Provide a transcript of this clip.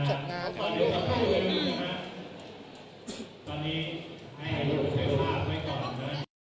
ตอนนี้ให้หลุดไฟฟ้างานไว้ก่อนนะ